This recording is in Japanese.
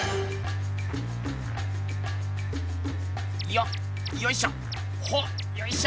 よっよいしょ！